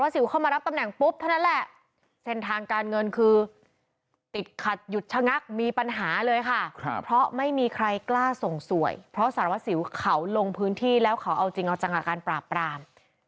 สวยเพราะสารวัตรสิวเขาลงพื้นที่แล้วเขาเอาจริงเอาจังหาการปราบปราม